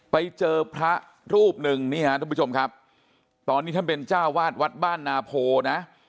ไปเจอพระรูปหนึ่งนี่ฮะทุกผู้ชมครับตอนนี้ท่านเป็นเจ้าวาดวัดบ้านนาโพนะ